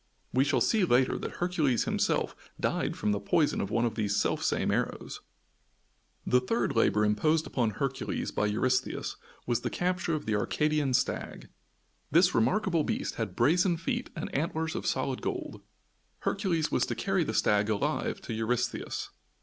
We shall see later that Hercules himself died from the poison of one of these self same arrows. The third labor imposed upon Hercules by Eurystheus was the capture of the Arcadian Stag. This remarkable beast had brazen feet and antlers of solid gold. Hercules was to carry the stag alive to Eurystheus.